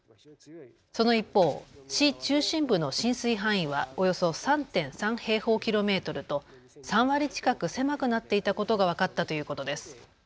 その一方、市中心部の浸水範囲はおよそ３．３平方キロメートルと３割近く狭くなっていたことが分かったということです。